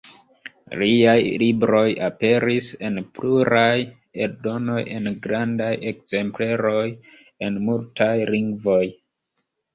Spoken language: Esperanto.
Liaj libroj aperis en pluraj eldonoj en grandaj ekzempleroj, en multaj lingvoj.